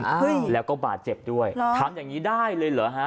เฮ้ยแล้วก็บาดเจ็บด้วยเหรอทำอย่างนี้ได้เลยเหรอฮะ